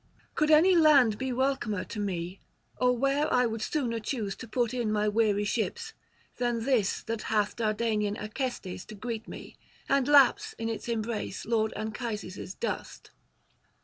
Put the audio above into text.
Could any land be welcomer to me, or where I would sooner choose to put in my weary ships, than this that hath Dardanian Acestes to greet me, and laps in its embrace lord Anchises' dust?'